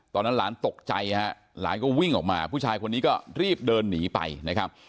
ตอนนั้นหลานตกใจฮะหลานก็วิ่งออกมาผู้ชายคนนี้ก็รีบเดินหนีไปนะครับ